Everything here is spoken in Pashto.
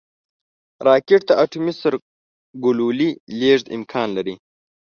راکټ د اټومي سرګلولې لیږد امکان لري